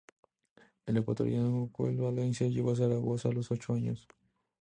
El ecuatoriano Joel Valencia llegó a Zaragoza a los ocho años.